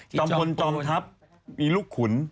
จอมพลจอมทัพมีลูกขุน